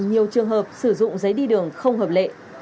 nhiều trường hợp sử dụng giấy đi đường không hợp lệ